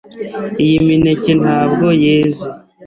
Iyi mineke ntabwo yeze.